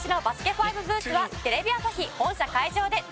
ＦＩＶＥブースはテレビ朝日本社会場で絶賛開催中でーす！